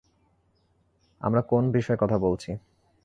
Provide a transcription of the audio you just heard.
আমরা কোন বিষয় কথা বলছি?